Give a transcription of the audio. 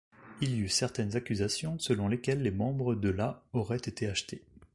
Il y eut certaines accusations selon lesquelles les membres de la auraient été achetés.